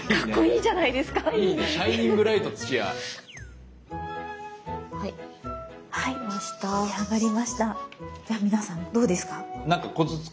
じゃあ皆さんどうですか？